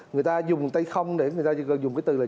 người ta dùng tay không người ta dùng cái từ là